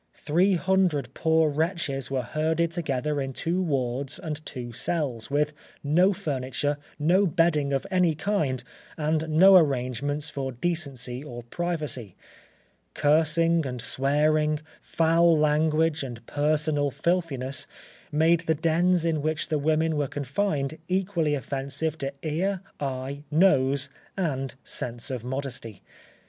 Three hundred poor wretches were herded together in two wards and two cells, with no furniture, no bedding of any kind, and no arrangements for decency or privacy. Cursing and swearing, foul language, and personal filthiness, made the dens in which the women were confined equally offensive to ear, eye, nose, and sense of modesty.